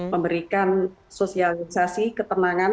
memberikan sosialisasi ketenangan